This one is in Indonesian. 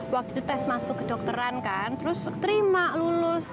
waktu itu tes masuk ke dokteran kan terus terima lulus